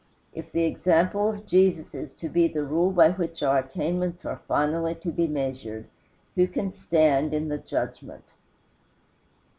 If the example of Jesus is to be the rule by which our attainments are finally to be measured, who can stand in the judgment?